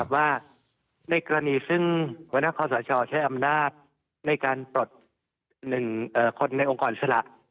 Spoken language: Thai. ว่าในกรณีซึ่งหัวหน้าคอสชใช้อำนาจในการปลด๑คนในองค์กรอิสระ